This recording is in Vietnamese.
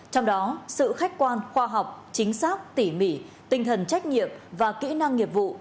trong đó sự khách quan khoa học chính xác tỉ mỉ tinh thần trách nhiệm và kỹ năng nghiệp vụ